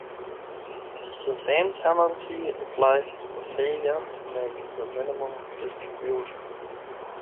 The same penalty applies to the failure to make the minimum distribution.